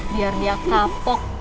biar dia kapok